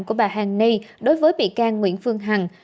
của bà hàng nay đối với bị can nguyễn phương hằng